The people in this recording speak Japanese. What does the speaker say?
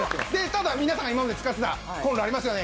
ただ皆さんが今まで使ってたコンロありますよね？